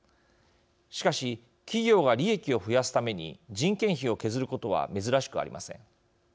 しかし企業が利益を増やすために人件費を削ることは珍しくありません。